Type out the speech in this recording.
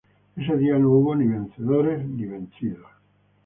Ese día no hubo ni vencedores ni vencidos.